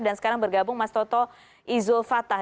dan sekarang bergabung mas toto izo fatah